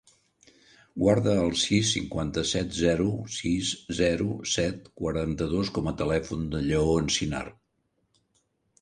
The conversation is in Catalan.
Guarda el sis, cinquanta-set, zero, sis, zero, set, quaranta-dos com a telèfon del Lleó Encinar.